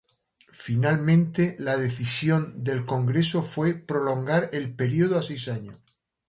Finalmente la decisión del congreso fue prolongar el periodo a seis años.